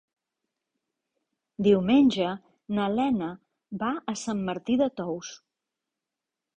Diumenge na Lena va a Sant Martí de Tous.